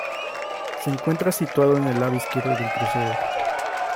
Se encuentra situado en el lado izquierdo del crucero.